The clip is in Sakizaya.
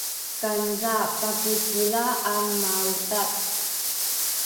kanca pakucila a maudad